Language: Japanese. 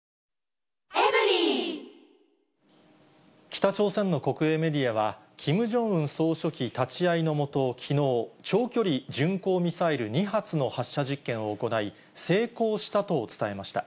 北朝鮮の国営メディアは、キム・ジョンウン総書記立ち会いの下、きのう、長距離巡航ミサイル２発の発射実験を行い、成功したと伝えました。